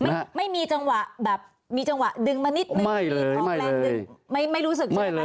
อ่าไม่มีจังหวะแบบมีจังหวะดึงมานิดหนึ่งมากแรงนึงไม่รู้สึกใช่ไหมตอนนั้น